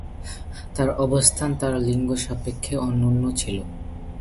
তার অবস্থান তার লিঙ্গ সাপেক্ষে অনন্য ছিল।